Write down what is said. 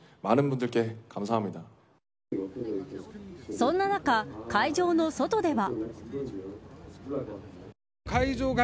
そんな中、会場の外では。